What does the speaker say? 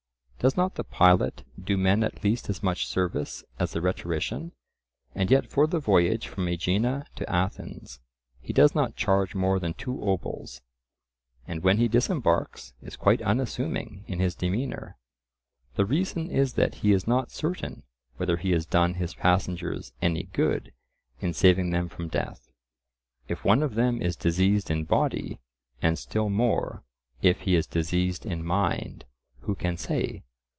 Does not the pilot do men at least as much service as the rhetorician, and yet for the voyage from Aegina to Athens he does not charge more than two obols, and when he disembarks is quite unassuming in his demeanour? The reason is that he is not certain whether he has done his passengers any good in saving them from death, if one of them is diseased in body, and still more if he is diseased in mind—who can say?